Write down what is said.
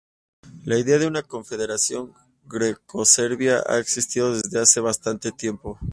La idea de una confederación greco-serbia ha existido desde hace bastante tiempo.